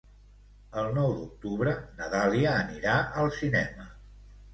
El nou d'octubre na Dàlia anirà al cinema.